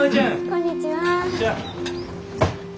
こんにちは。